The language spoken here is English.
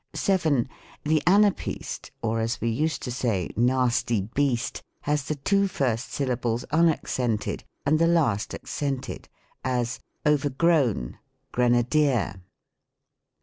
7. The Anapaest (or as we used to say, Nasty least) has the two first syllables unaccented and the last ac cented : as, " overgrown grenadier."